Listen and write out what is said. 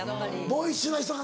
ボーイッシュな人が。